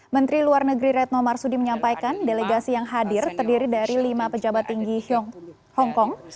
menteri luar negeri retno marsudi menyampaikan delegasi yang hadir terdiri dari lima pejabat tinggi hongkong